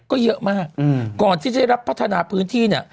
ก็เยอะมากก่อนที่จะได้รับพัฒนาพื้นที่เนี่ย